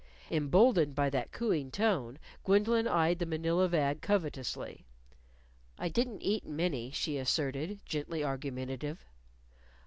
Emboldened by that cooing tone, Gwendolyn eyed the Manila bag covetously. "I didn't eat many," she asserted, gently argumentative.